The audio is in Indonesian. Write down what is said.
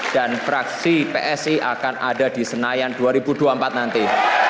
fraksi psi akan ada di senayan dua ribu dua puluh empat nanti